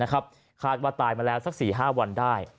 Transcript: คาดว่าตายมาแล้วสัก๔๕วันได้